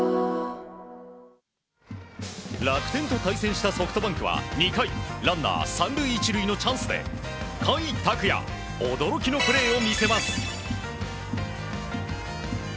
楽天と対戦したソフトバンクは２回ランナー３塁１塁のチャンスで甲斐拓也驚きのプレーを見せます。